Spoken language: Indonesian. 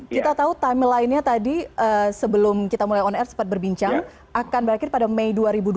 kita tahu timeline nya tadi sebelum kita mulai on air sempat berbincang akan berakhir pada mei dua ribu dua puluh